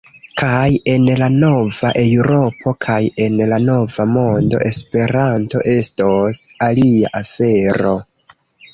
Kaj en la nova Eŭropo kaj en la nova mondo Esperanto estos alia afero.